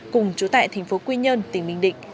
cùng chú tại thành phố quy nhơn tỉnh bình định